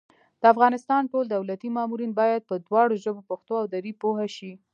د افغانستان ټول دولتي مامورین بايد په دواړو ژبو پښتو او دري پوه شي